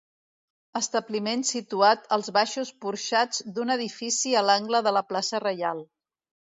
Establiment situat als baixos porxats d'un edifici a l'angle de la plaça Reial.